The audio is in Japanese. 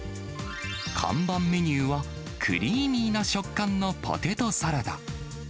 看板メニューは、クリーミーな食感のポテトサラダ。